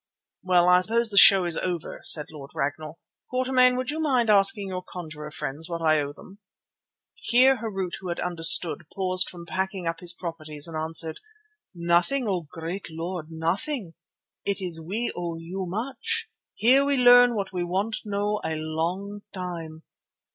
"Well, I suppose the show is over," said Lord Ragnall. "Quatermain, would you mind asking your conjurer friends what I owe them?" Here Harût, who had understood, paused from packing up his properties and answered, "Nothing, O great Lord, nothing. It is we owe you much. Here we learn what we want know long time.